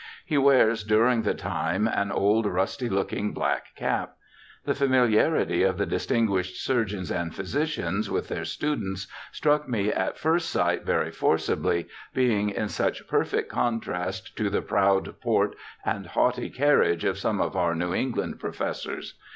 He wears during the time an old rusty looking black cap. The familiarity of the distinguished surgeons and physicians with their students struck me at first sight very forcibly, being in such perfect contrast to the proud port and haughty carriage of some of our New England professors.